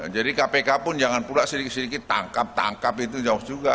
jadi kpk pun jangan pula sedikit sedikit tangkap tangkap itu jauh juga